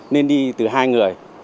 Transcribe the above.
nên đi từ hai người